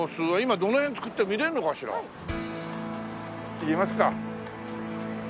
行きますか。